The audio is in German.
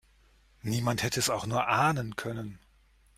Niemand hätte es auch nur ahnen können.